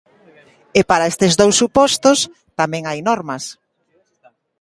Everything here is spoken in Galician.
E para estes dous supostos, tamén hai normas.